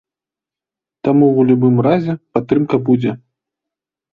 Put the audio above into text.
Таму ў любым разе падтрымка будзе.